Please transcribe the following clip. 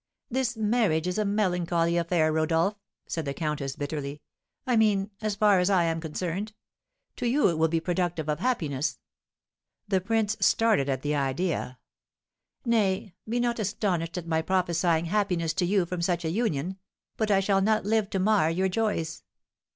"This marriage is a melancholy affair, Rodolph," said the countess, bitterly, "I mean as far as I am concerned; to you it will be productive of happiness." The prince started at the idea. "Nay, be not astonished at my prophesying happiness to you from such a union; but I shall not live to mar your joys."